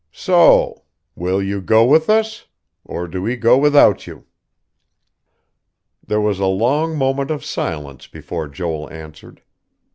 So.... Will you go with us; or do we go without you?" There was a long moment of silence before Joel answered.